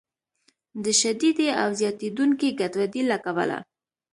د شدیدې او زیاتیدونکې ګډوډۍ له کبله